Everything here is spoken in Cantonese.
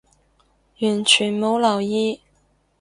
完全冇留意